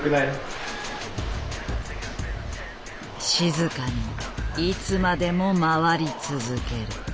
静かにいつまでも回り続ける。